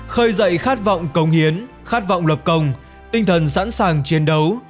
khơi dậy khát vọng cống hiến khát vọng lập công tinh thần sẵn sàng chiến đấu